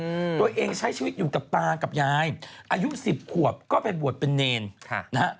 ตัวเองใช้ชีวิตอยู่กับตากับยายอายุ๑๐ขวบก็เป็นบวชเป็นเนนน่ะ